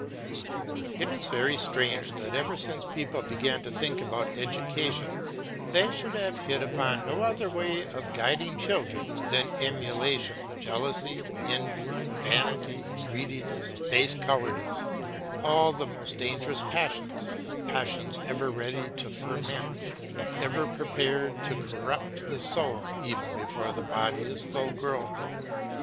It is very strange that ever since people began to think about education they should have hit upon no other way of guiding children than emulation, jealousy, envy, vanity, greediness, base cowardice, all the most dangerous passions, passions ever ready to ferment, ever prepared to corrupt the soul even before the body is full grown.